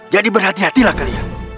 jadi berhati hatilah kalian